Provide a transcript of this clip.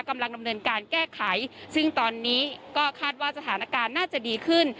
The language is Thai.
กำลังดำเนินการแก้ไขซึ่งตอนนี้ก็คาดว่าสถานการณ์น่าจะดีขึ้น